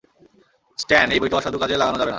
স্ট্যান, এই বইকে অসাধু কাজে লাগানো যাবে না।